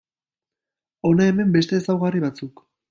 Hona hemen beste ezaugarri batzuk.